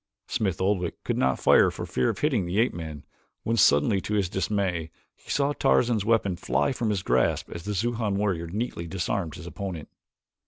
Smith Oldwick could not fire for fear of hitting the ape man when suddenly to his dismay he saw Tarzan's weapon fly from his grasp as the Xujan warrior neatly disarmed his opponent.